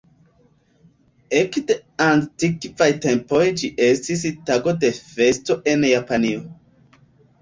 Ekde antikvaj tempoj ĝi estis tago de festo en Japanio.